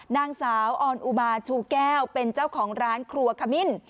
นางสาวออนอุมาชูแก้วเป็นเจ้าของร้านครัวขมิ้น